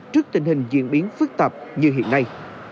trước tình hình diễn biến phức tạp như hiện nay